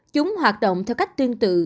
chúng hoạt động theo cách tuyên tự